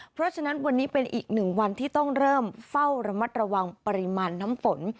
เพราะฉะนั้นวันนี้เป็นอีกหนึ่งวันที่ต้องเริ่มเฝ้าระมัดระวังปริมาณน้ำฝน